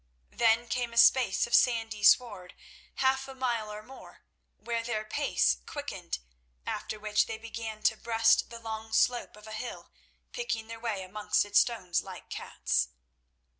Then came a space of sandy sward, half a mile or more, where their pace quickened, after which they began to breast the long slope of a hill, picking their way amongst its stones like cats.